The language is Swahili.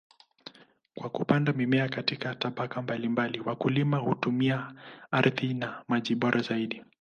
Kwa kupanda mimea katika tabaka mbalimbali, wakulima hutumia ardhi na maji bora zaidi.